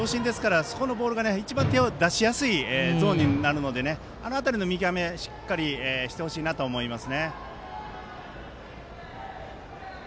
そこのボールが一番手を出しやすいゾーンになるのであの辺りの見極めをしっかりしてほしいと思います。